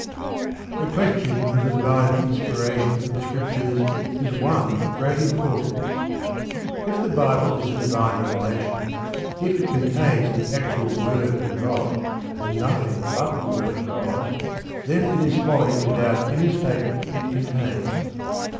The question of the divine inspiration of the Scriptures is one of great importance. If the Bible is a divine revelation, if it contains the actual word of God, and nothing but the word of God, then it is folly to doubt any statement it contains.